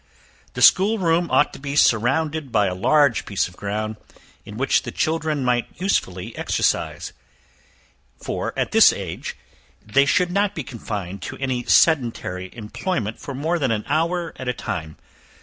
The school room ought to be surrounded by a large piece of ground, in which the children might be usefully exercised, for at this age they should not be confined to any sedentary employment for more than an hour at a time.